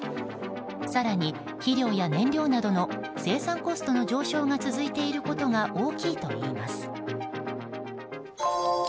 更に肥料や燃料などの生産コストの上昇が続いていることが大きいといいます。